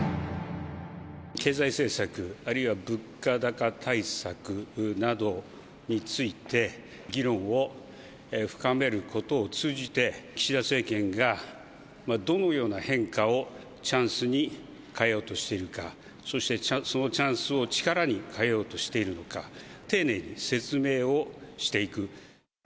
経済政策、あるいは物価高対策などについて、議論を深めることを通じて、岸田政権がどのような変化をチャンスに変えようとしているのか、そして、そのチャンスを力に変えようとしているのか、丁寧に説明をしていく。